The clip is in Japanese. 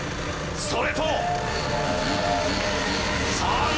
それともさあノ